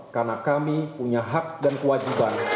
karena kami punya hak dan kewajiban